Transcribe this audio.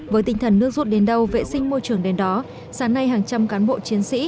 với tinh thần nước rút đến đâu vệ sinh môi trường đến đó sáng nay hàng trăm cán bộ chiến sĩ